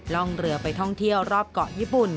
ล่องเรือไปท่องเที่ยวรอบเกาะญี่ปุ่น